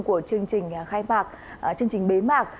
của chương trình khai mạc chương trình bế mạc